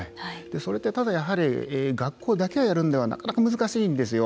それってただ、学校だけでやるのはなかなか難しいんですよ。